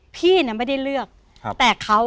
พี่น่ะไม่ได้เลือกแต่เขา